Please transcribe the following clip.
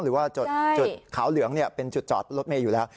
หรือว่าจุดขาวเหลืองเป็นจุดจอดรถเมย์อยู่แล้ว